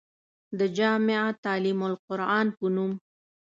د جامعه تعليم القرآن پۀ نوم